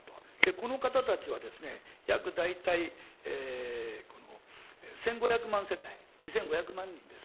この方たちはですね、約大体１５００万世帯、２５００万人です。